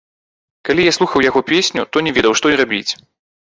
Калі я слухаў яго песню, то не ведаў, што і рабіць.